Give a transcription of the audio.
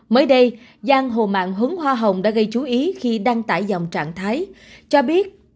mới đây giang hồ mạng hướng hoa hồng đã gây chú ý khi đăng tải dòng trạng thái cho biết